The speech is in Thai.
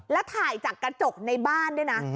แล้วถ่ายจากกระจกในบ้านด้วยนะ